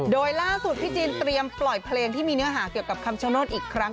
โดยล่าสุดพี่จีนเตรียมปล่อยเพลงที่มีเนื้อหาเกี่ยวกับคำชโนธอีกครั้ง